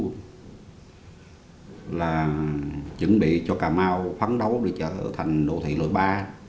khi mà chuẩn bị cho cà mau phán đấu đi chợ thành đô thị nội ba